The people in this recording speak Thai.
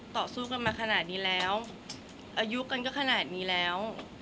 ต่อสู้กันมาขนาดนี้แล้วอายุกันก็ขนาดนี้แล้ว